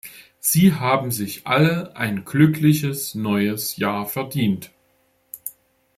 Sie haben sich alle ein Glückliches Neues Jahr verdient!